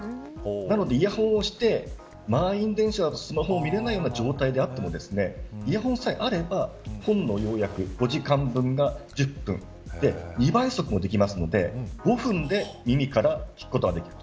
なのでイヤホンをして満員電車だとスマホを見れないような状態であってもイヤホンさえあれば、本の要約５時間分が１０分で２倍速もできますので５分で耳から聞くことができる。